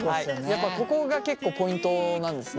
やっぱここが結構ポイントなんですね？